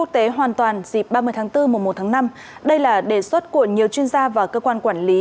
tháng bốn một năm đây là đề xuất của nhiều chuyên gia và cơ quan quản lý